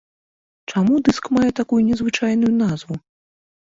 Чаму дыск мае такую незвычайную назву?